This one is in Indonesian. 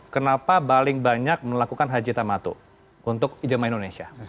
kenapa paling banyak melakukan haji tama to untuk jemaah indonesia